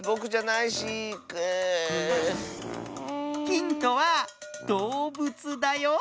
ヒントはどうぶつだよ。